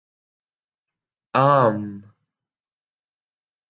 عام